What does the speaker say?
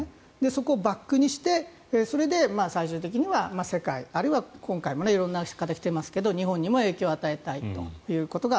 そこをバックにしてそれで最終的には世界あるいは今回も色んな方が来ていますが日本にも影響を与えたいということが